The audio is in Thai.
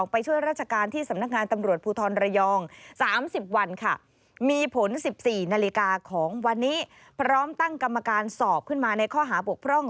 พร้อมตั้งกรรมการสอบขึ้นมาในข้อหาบกพร่อง